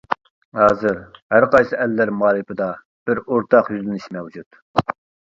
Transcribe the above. ھازىر ھەرقايسى ئەللەر مائارىپىدا بىر ئورتاق يۈزلىنىش مەۋجۇت.